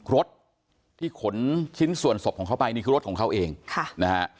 รถที่ขนชิ้นส่วนศพของเขาไปนี่คือรถของเขาเองค่ะนะฮะ